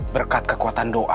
berkat kekuatan doa